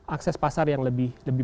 akses pasar yang lebih